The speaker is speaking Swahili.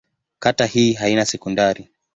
Kata hii haina sekondari.